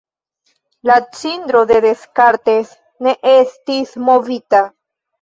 La cindro de Descartes ne estis movita.